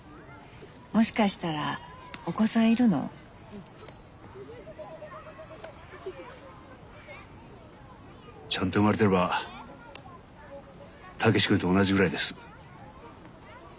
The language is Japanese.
もしかしたらお子さんいるの？ちゃんと産まれてれば武志君と同じぐらいです。